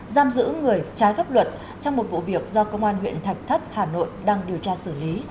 giam giữ người trái pháp luật trong một vụ việc do công an huyện thạch thất hà nội đang điều tra xử lý